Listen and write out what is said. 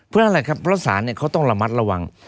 เพื่ออะไรครับเพราะสารเนี่ยเขาต้องระมัดระวัง